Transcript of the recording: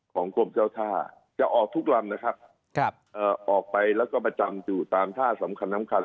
กรมเจ้าท่าจะออกทุกลำนะครับออกไปแล้วก็ประจำอยู่ตามท่าสำคัญน้ำคัน